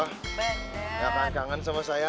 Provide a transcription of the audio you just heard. bener gak apa apa gak akan kangen sama saya